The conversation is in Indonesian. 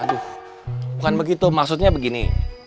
aduh bukan begitu maksudnya begini